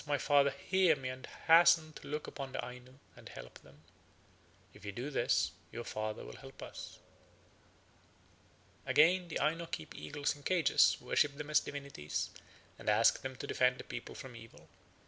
My father, hear me, and hasten to look upon the Ainu and help them.' If you do this, your father will help us." Again, the Aino keep eagles in cages, worship them as divinities, and ask them to defend the people from evil.